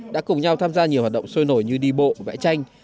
đã cùng nhau tham gia nhiều hoạt động sôi nổi như đi bộ vẽ tranh